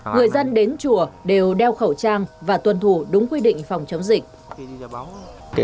người dân đến chùa đều đeo khẩu trang và tuân thủ đúng quy định phòng chống dịch